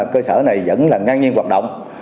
cơ sở này vẫn là ngang nhiên hoạt động